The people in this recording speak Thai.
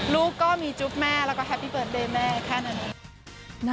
ลูกก็มีจุ๊บแม่แล้วก็แฮปปี้เบิร์เดย์แม่แค่นั้น